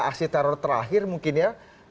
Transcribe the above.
aksi teror terakhir mungkin ya